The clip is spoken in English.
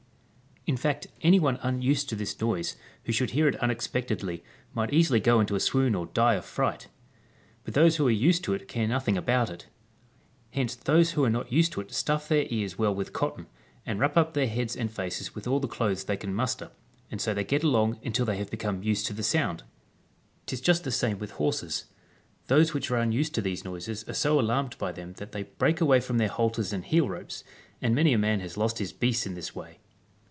In fact any one unused to this noise, who should hear it unexpectedly, might easily go into a swoon or die of fright. But those who are used to it care nothing about it. Hence those who are not used to it stuff their ears well with cotton, and wrap up their heads and faces with all the clothes they can muster ; and so they get along until they have become used to the sound. 'Tis just the same with horses. Those which are unused to these noises are so alarmed by them that they break away from their halters and heel ropes, and many a man has lost his beasts in this way.